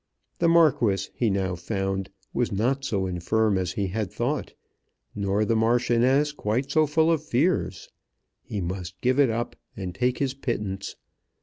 The Marquis, he now found, was not so infirm as he had thought, nor the Marchioness quite so full of fears. He must give it up, and take his pittance.